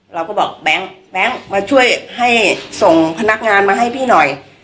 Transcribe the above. เราก็บอกแบงค์มาช่วยให้ส่งพนักงานมาให้พี่หน่อย